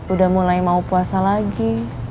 udah mulai mau puasa lagi